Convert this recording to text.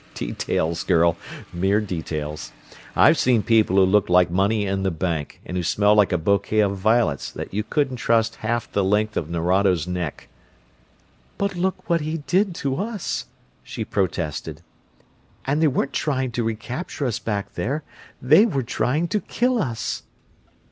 "Details, girl; mere details. I've seen people who looked like money in the bank and who smelled like a bouquet of violets that you couldn't trust half the length of Nerado's neck." "But look what he did to us!" she protested. "And they weren't trying to recapture us back there; they were trying to kill us."